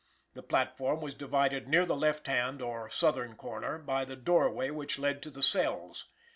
The platform was divided near the left hand or southern corner by the doorway which led to the cells.